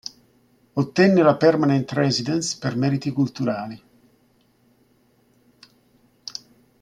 Ottenne la permanent residence per meriti culturali.